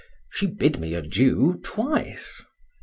—She bid me adieu twice.